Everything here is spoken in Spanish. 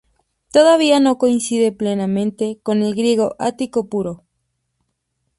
Todavía no coincide plenamente con el griego ático puro.